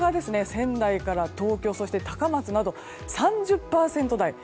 仙台から東京そして高松など、３０％台。